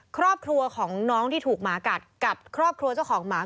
ครอบครัวของน้องที่ถูกหมากัดกับครอบครัวเจ้าของหมา